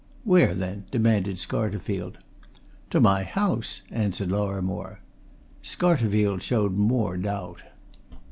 "Where, then?" demanded Scarterfield. "To my house!" answered Lorrimore. Scarterfield showed more doubt.